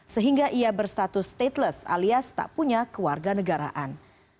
sehingga ia berstatus stateless alias tak punya keluarga negaraan